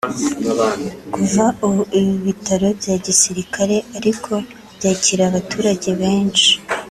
Kuva ubu ibi bitaro bya Gisirikare ariko byakira abaturage benshi